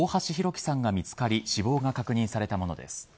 輝さんが見つかり死亡が確認されたものです。